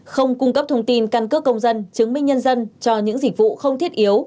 không cung cấp thông tin căn cước công dân chứng minh nhân dân cho những dịch vụ không thiết yếu